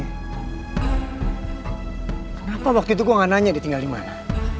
kenapa waktu itu gue gak nanya dia tinggal dimana